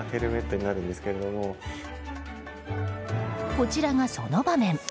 こちらが、その場面。